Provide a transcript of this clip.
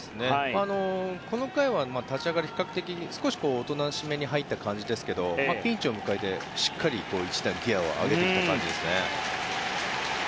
この回は立ち上がり比較的、おとなしめに入った感じですけどピンチを迎えてしっかりギアを上げてきた感じですね。